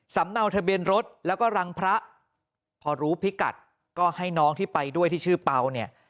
เนาทะเบียนรถแล้วก็รังพระพอรู้พิกัดก็ให้น้องที่ไปด้วยที่ชื่อเป่าเนี่ย